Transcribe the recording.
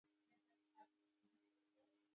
هغه هغې ته د پاک سرود ګلان ډالۍ هم کړل.